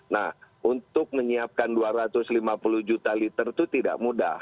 nah untuk menyiapkan dua ratus lima puluh juta liter itu tidak mudah